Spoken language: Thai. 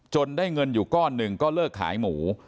ได้เงินอยู่ก้อนหนึ่งก็เลิกขายหมู